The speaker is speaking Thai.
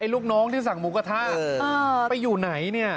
ลูกน้องที่สั่งหมูกระทะไปอยู่ไหนเนี่ย